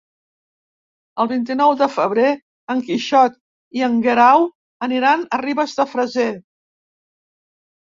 El vint-i-nou de febrer en Quixot i en Guerau aniran a Ribes de Freser.